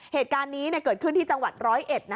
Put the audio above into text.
เหตุการณ์นี้เกิดขึ้นที่จังหวัดร้อยเอ็ด